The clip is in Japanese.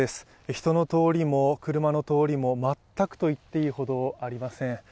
人の通りも車の通りも全くといっていいほどありません。